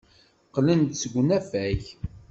Qqlent-d seg unafag.